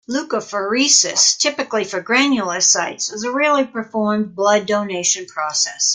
Leukapheresis, typically for granulocytes, is a rarely performed blood donation process.